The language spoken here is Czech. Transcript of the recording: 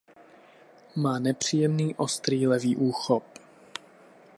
Má nepříjemný ostrý levý úchop.